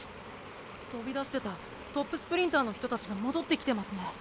とびだしてたトップスプリンターの人たちが戻ってきてますね。